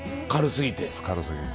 軽過ぎて？